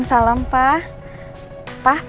assalamualaikum warahmatullahi wabarakatuh